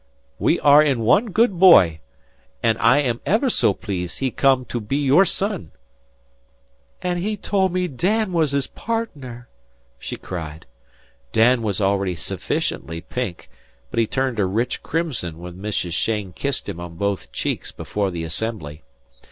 We are in one good boy, and I am ever so pleased he come to be your son." "And he told me Dan was his partner!" she cried. Dan was already sufficiently pink, but he turned a rich crimson when Mrs. Cheyne kissed him on both cheeks before the assembly.